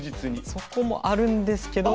そこもあるんですけど。